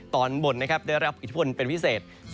ตอนบนนะครับได้ระผว่งคืนภูมิเป็นพิเศษ